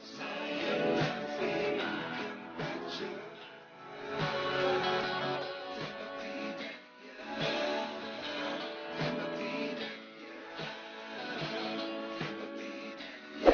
yang sengaja lebih baik dulu